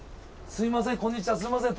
すいません。